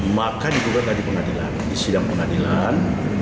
maka digugatlah di pengadilan di sidang pengadilan